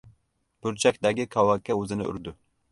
Burchakdagi kovakka o‘zini urdi.